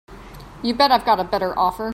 You bet I've got a better offer.